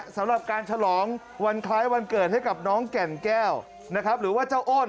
สำหรับการฉลองวันคล้ายวันเกิดให้กับน้องแก่นแก้วนะครับหรือว่าเจ้าโอน